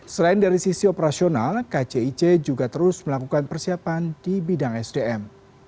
selain dari sisi operasional kcic juga terus melakukan persiapan di bidang sdm